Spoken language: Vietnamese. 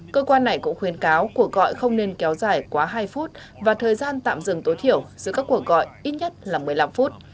cơ quan này cũng khuyến cáo cuộc gọi không nên kéo dài quá hai phút và thời gian tạm dừng tối thiểu giữa các cuộc gọi ít nhất là một mươi năm phút